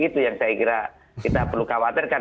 itu yang saya kira kita perlu khawatirkan